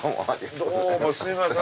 どうもすいません。